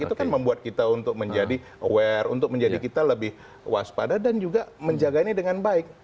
itu kan membuat kita untuk menjadi aware untuk menjadi kita lebih waspada dan juga menjaga ini dengan baik